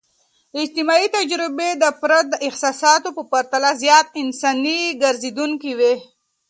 اجتماعي تجربې د فرد د احساساتو په پرتله زیات انساني ګرځیدونکي وي.